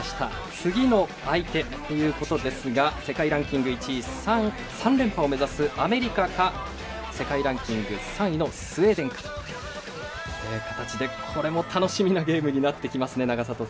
次の相手ですが世界ランキング１位３連覇を目指すアメリカか世界ランキング３位のスウェーデンかという形でこれも楽しみなゲームになってきますね。